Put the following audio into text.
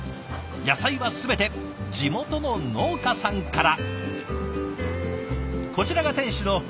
野菜は全て地元の農家さんから！